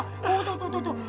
tuh tuh tuh tuh